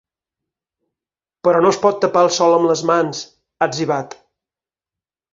“Però no es pot tapar el sol amb les mans”, ha etzibat.